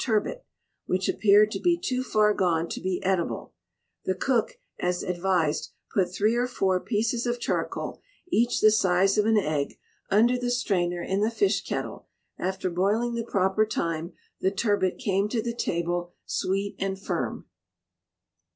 Among others, an experiment of this kind was tried upon a turbot, which appeared to be too far gone to be eatable; the cook, as advised, put three or four pieces of charcoal, each the size of an egg, under the strainer in the fish kettle; after boiling the proper time, the turbot came to the table sweet and firm.